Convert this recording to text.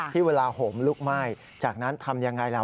ที่เวลาโหมลุกไหม้จากนั้นทำอย่างไรล่ะ